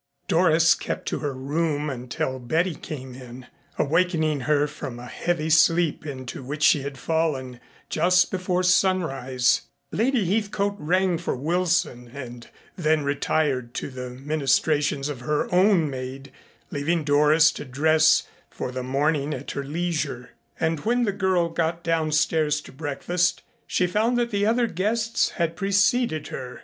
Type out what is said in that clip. Doris kept to her room until Betty came in, awakening her from a heavy sleep into which she had fallen just before sunrise. Lady Heathcote rang for Wilson and then retired to the ministrations of her own maid, leaving Doris to dress for the morning at her leisure. And when the girl got downstairs to breakfast she found that the other guests had preceded her.